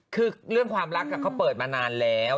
คือเรื่องความรักเขาเปิดมานานแล้ว